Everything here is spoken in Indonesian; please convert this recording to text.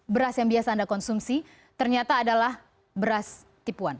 beras yang biasa anda konsumsi ternyata adalah beras tipuan